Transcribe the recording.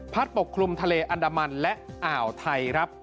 ปกคลุมทะเลอันดามันและอ่าวไทยครับ